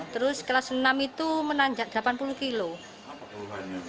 terus kelas enam itu menanjak delapan puluh kilo